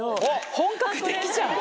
本格的じゃん！